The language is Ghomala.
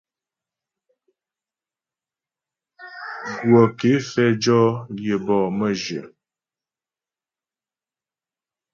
Gwə̀ ké fɛ jɔ yəbɔ mə́jyə.